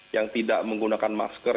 yang tidak menggunakan masker